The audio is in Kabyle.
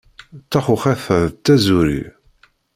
Taxuxet-a d taẓuri.